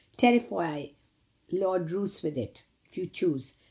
Terrify Lord Roos with it, if you choose.